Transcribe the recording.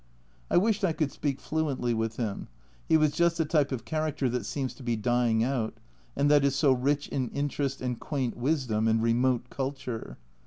I wished I could speak fluently with him, he was just the type of character that seems to be dying out, and that is so rich in interest and quaint wisdom and remote culture.